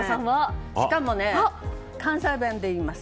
しかも、関西弁で言います。